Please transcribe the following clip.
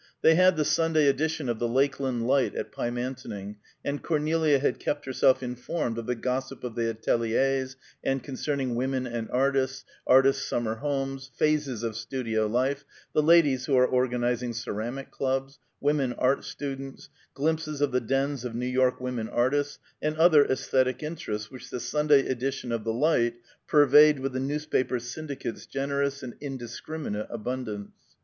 They had the Sunday edition of the Lakeland Light at Pymantoning, and Cornelia had kept herself informed of the "Gossip of the Ateliers," and concerning "Women and Artists," "Artists' Summer Homes," "Phases of Studio Life," "The Ladies who are Organizing Ceramic Clubs," "Women Art Students," "Glimpses of the Dens of New York Women Artists," and other æsthetic interests which the Sunday edition of the Light purveyed with the newspaper syndicate's generous and indiscriminate abundance.